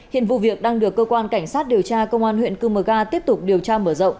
hiện vụ việc đang được cơ quan cảnh sát điều tra công an huyện cư mờ ga tiếp tục điều tra mở rộng